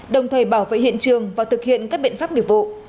đồng thời bảo vệ hiện trường và thực hiện các biện pháp nghiệp vụ